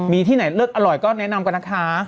มีที่ไหนเลือกอร่อยก็แนะนำกันนะคะ